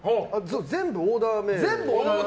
全部オーダーメイド。